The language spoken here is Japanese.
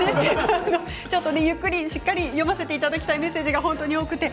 しっかり読ませていただきたいメッセージが本当に多くて。